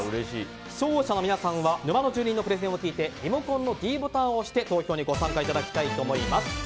視聴者の皆さんは沼の住人のプレゼンを聞いてリモコンのｄボタンを押して投票にご参加いただきたいと思います。